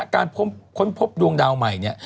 การค้นพบดวงดาวใหม่เนี่ย